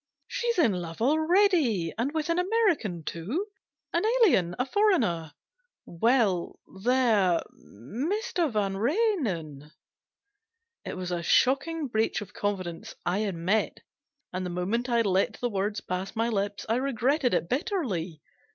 She's in love already and with an American, too an alien a foreigner well, there, Mr. Yan renen." 344 GENERAL PASSAVANT'S WILL. It was a shocking breach of confidence, I admit ; and the moment I'd let the words pass my lips I regretted it bitterly.